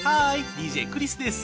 ＤＪクリスです。